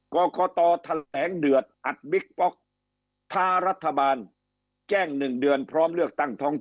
กรกตแถลงเดือดอัดบิ๊กป็อก